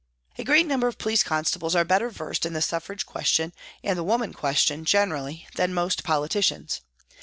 A great number of police constables are better versed in the suffrage question and the woman question generally than most politicians.